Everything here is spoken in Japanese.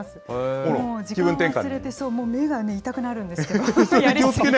もう時間を忘れて、目がね、痛くなるんですけど、やり過ぎて。